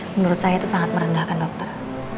menurut saya itu sangat merendahkan dokter